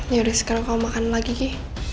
ya udah sekarang kamu makan lagi ki